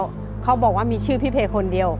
ช่วยแล้วเขาบอกว่ามีชื่อพิเภคคนเดียว